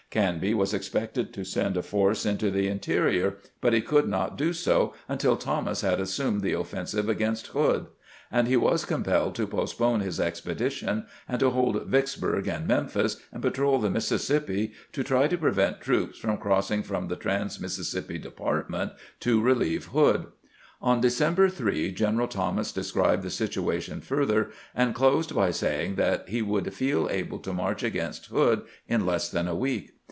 Canby was expected to send a force' into the interior, but he could not do so until Thomas had assumed the offensive against Hood ; and he was compelled to postpone his expedition, and to hold Vicksburg and Memphis, and patrol the Mississippi to try to prevent troops from crossing from the Trans Mississippi Department to relieve Hood. On December 3 General Thomas described the situation further, and closed by saying that he would feel able to march against Hood in less than a week.